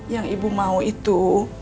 yang ibu mau itu